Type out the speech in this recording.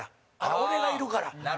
俺がいるから。